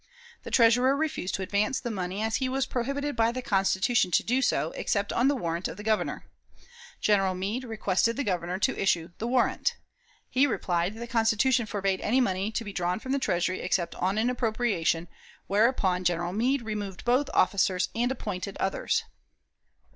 The Treasurer refused to advance the money, as he was prohibited by the Constitution to do so, except on the warrant of the Governor. General Meade requested the Governor to issue the warrant. He replied that the Constitution forbade any money to be drawn from the Treasury except on an appropriation, whereupon General Meade removed both officers, and appointed others.